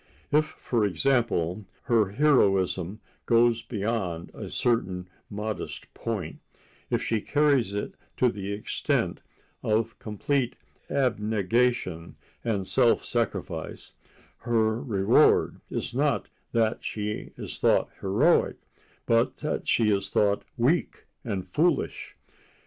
If, for example, her heroism goes beyond a certain modest point—if she carries it to the extent of complete abnegation and self sacrifice—her reward is not that she is thought heroic, but that she is thought weak and foolish.